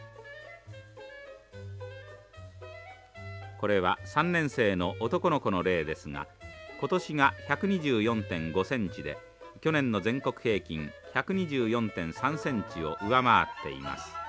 これは３年生の男の子の例ですが今年が１２４．５センチで去年の全国平均１２４．３センチを上回っています。